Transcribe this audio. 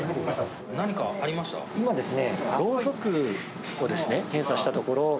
今ですね。